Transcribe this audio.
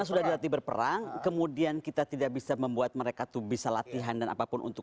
karena sudah dilatih untuk berperang kemudian kita tidak bisa membuat mereka tuh bisa latihan dan apapun untuk